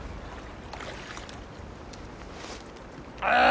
あ！